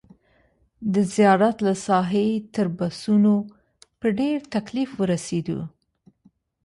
د زیارت له ساحې تر بسونو په ډېر تکلیف ورسېدو.